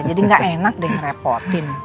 jadi gak enak deh kerepotin